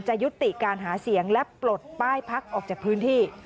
ยุติการหาเสียงและปลดป้ายพักออกจากพื้นที่